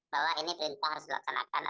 bahwa ini yang harus dilaksanakan